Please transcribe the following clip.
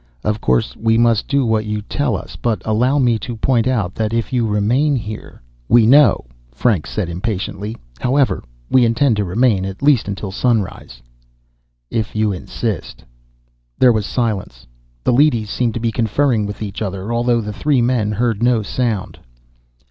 "Of course we must do what you tell us, but allow me to point out that if you remain here " "We know," Franks said impatiently. "However, we intend to remain, at least until sunrise." "If you insist." There was silence. The leadys seemed to be conferring with each other, although the three men heard no sound.